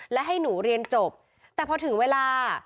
และให้หนูเรียนจบแต่พอถึงเวลา